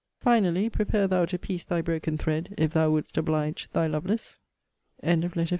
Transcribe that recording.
Finally, prepare thou to piece thy broken thread, if thou wouldst oblige Thy LOVELACE. LETTER LVII MR.